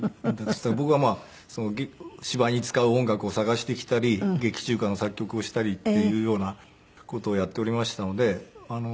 僕は芝居に使う音楽を探してきたり劇中歌の作曲をしたりっていうような事をやっておりましたので。